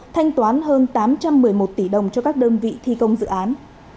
thanh toán hơn tám trăm một mươi một tỷ đồng cho các đơn vị thi công dự án